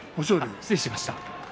失礼しました。